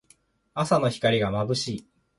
朝の光がまぶしい。